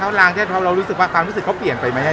เราก็แค่ขอกลับมาดูแลตัวเองดังตัวเองทำยังง่าย